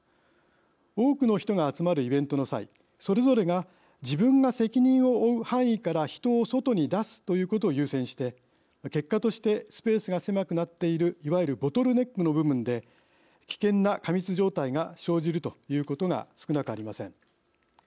多くの人が集まるイベントの際それぞれが自分が責任を負う範囲から人を外に出すということを優先して結果としてスペースが狭くなっているいわゆるボトルネックの部分で危険な過密状態が生じるということが少なくありません。